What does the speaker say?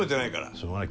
しょうがない。